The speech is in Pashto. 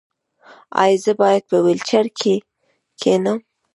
ایا زه به په ویلچیر کینم؟